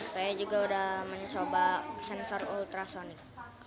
saya juga sudah mencoba sensor ultrasonic